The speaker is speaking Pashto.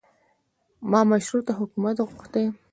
ما مشروطه حکومت غوښتی.